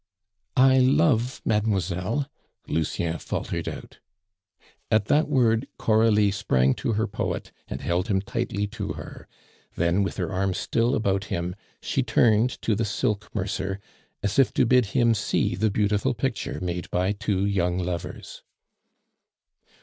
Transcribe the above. "I love mademoiselle," Lucien faltered out. At that word, Coralie sprang to her poet and held him tightly to her; then, with her arms still about him, she turned to the silk mercer, as if to bid him see the beautiful picture made by two young lovers.